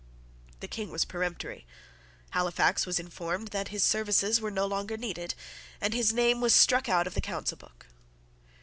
The King was peremptory. Halifax was informed that his services were no longer needed; and his name was struck out of the Council Book.